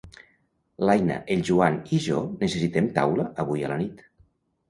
L'Aina, el Joan i jo necessitem taula avui a la nit.